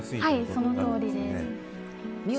そのとおりです。